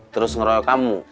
terus ngeroyok kamu